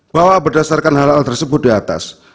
bahwa berdasarkan hal hal tersebut diatas